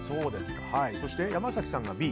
そして、山崎さんがＢ。